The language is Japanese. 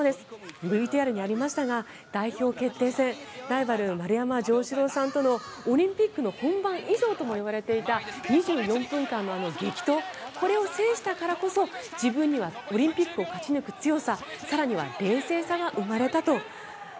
ＶＴＲにありましたが代表決定戦ライバル、丸山城志郎さんとのオリンピックの本番以上ともいわれていた２４分間の激闘を制したからこそ自分にはオリンピックを勝ち抜く強さ更には冷静さが生まれたと。